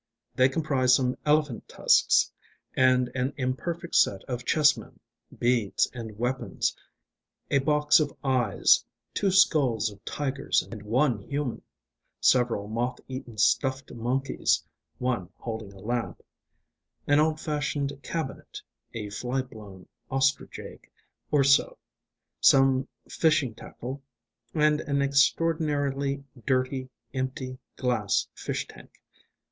They comprised some elephant tusks and an imperfect set of chessmen, beads and weapons, a box of eyes, two skulls of tigers and one human, several moth eaten stuffed monkeys (one holding a lamp), an old fashioned cabinet, a flyblown ostrich egg or so, some fishing tackle, and an extraordinarily dirty, empty glass fish tank.